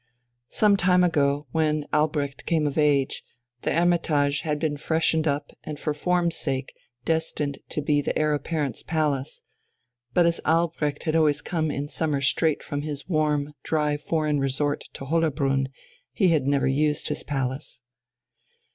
Some time ago, when Albrecht came of age, the "Hermitage" had been freshened up and for form's sake destined to be the Heir Apparent's palace; but as Albrecht had always come in summer straight from his warm, dry foreign resort to Hollerbrunn, he had never used his palace....